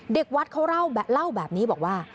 เด็กวัดเขาเล่าแบบนี้บอกว่า